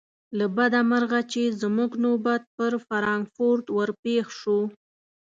له بده مرغه چې زموږ نوبت پر فرانکفورت ور پیښ شو.